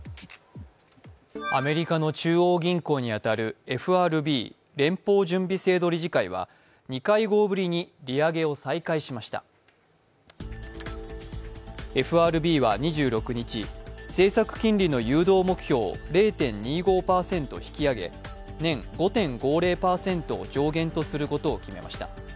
アメリカの中央銀行に当たるＦＲＢ＝連邦準備制度理事会は２会合ぶりに利上げを再開しましたＦＲＢは２６日、政策金利の誘導目標を０．２５％引き上げ、年５．５０％を上限とすることを決めました。